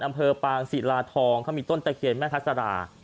อำเภอปางศิลาทองเขามีต้นตะเคียนแม่ทัศดา